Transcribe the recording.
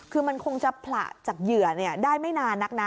คือมันคงจะผละจากเหยื่อได้ไม่นานนักนะ